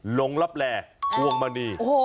หลงลับแลพวงมณี